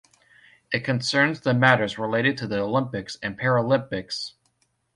It concerns the matters related to the Olympics and Paralympics.